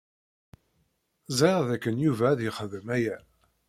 Ẓriɣ dakken Yuba ad yexdem aya.